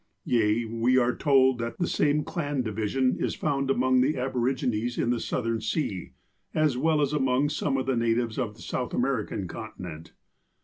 Yea, we are told that the same clan division is found among the aborigines in the Southern Sea, as well as among some of the natives of the South American continent.